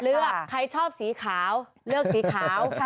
เลือกใครชอบสีขาวเลือกสีขาว